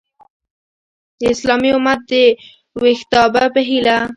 د اسلامي امت د ویښتابه په هیله!